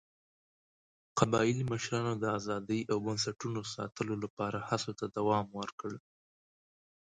قبایلي مشرانو د ازادۍ او بنسټونو ساتلو لپاره هڅو ته دوام ورکړ.